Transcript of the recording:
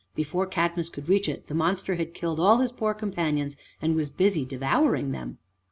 Before Cadmus could reach it, the monster had killed all his poor companions and was busy devouring them.